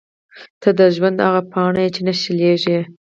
• ته د ژوند هغه پاڼه یې چې نه شلېږي.